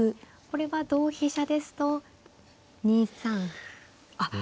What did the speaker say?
これは同飛車ですと２三歩あっ。